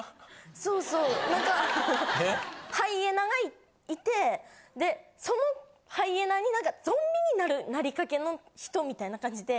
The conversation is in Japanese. そうそうなんかハイエナがいてでそのハイエナになんかゾンビになりかけの人みたいな感じで。